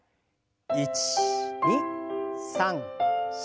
１２３４。